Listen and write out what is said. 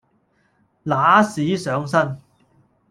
揦屎上身